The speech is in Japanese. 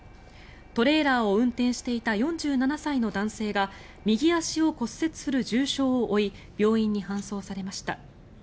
トレーラーを運転していた４７歳の男性が右足を骨折する重傷を負い病院に搬送されました。